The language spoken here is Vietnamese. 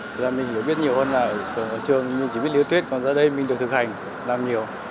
thì mình hiểu biết nhiều hơn là ở trường mình chỉ biết lý thuyết còn ra đây mình được thực hành làm nhiều